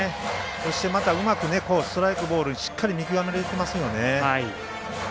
そしてストライク、ボールしっかり見極められてますよね。